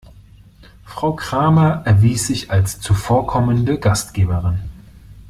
Frau Kramer erwies sich als zuvorkommende Gastgeberin.